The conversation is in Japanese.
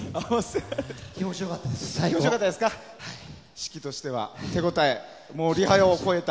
指揮としては手応え、リハを超えた？